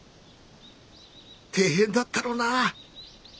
大変だったろうなぁ。